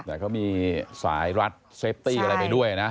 แต่เขามีสายรัดเซฟตี้อะไรไปด้วยนะ